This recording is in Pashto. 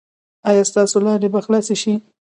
ایا ستاسو لارې به خلاصې شي؟